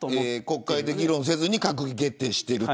国会で議論せずに閣議決定している。